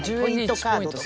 カードとか。